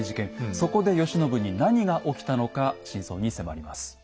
そこで慶喜に何が起きたのか真相に迫ります。